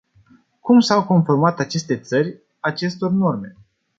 Cum s-au conformat aceste țări acestor norme?